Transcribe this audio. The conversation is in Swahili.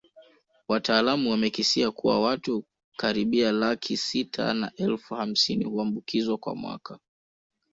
Wataalamu wamekisia kuwa watu karibia laki sita na elfu hamsini huambukizwa kwa mwaka